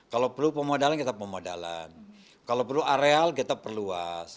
kalau perlu pemodalan kita pemodalan kalau perlu areal kita perluas